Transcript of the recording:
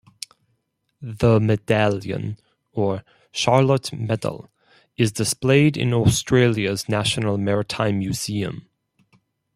The medallion, or "Charlotte Medal", is displayed in Australia's National Maritime Museum.